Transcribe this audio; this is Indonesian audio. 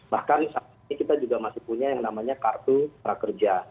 bahkan saat ini kita juga masih punya yang namanya kartu prakerja